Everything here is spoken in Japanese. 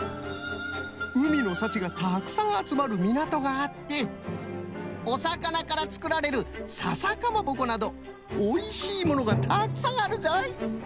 うみのさちがたくさんあつまるみなとがあっておさかなからつくられる笹かまぼこなどおいしいものがたくさんあるぞい！